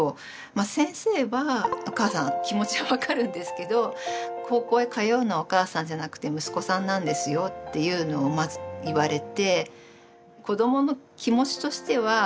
先生は「お母さん気持ちは分かるんですけど高校へ通うのはお母さんじゃなくて息子さんなんですよ」というのをまず言われて。